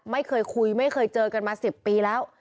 ไม่เคยคุยไม่เคยเจอกันมา๑๐ปีแล้ว